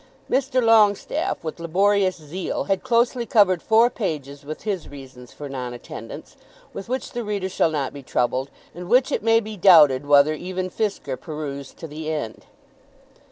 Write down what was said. Mr. Longestaffe, with laborious zeal, had closely covered four pages with his reasons for non attendance, with which the reader shall not be troubled, and which it may be doubted whether even Fisker perused to the end.